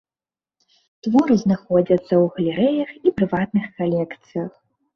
Творы знаходзяцца ў галерэях і прыватных калекцыях.